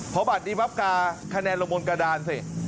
เพราะบัตรนี้ปั๊บกาคะแนนลงบนกระดานเสีย